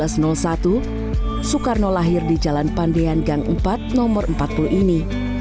soekarno lahir di jalan pandean gang empat nomor empat puluh ini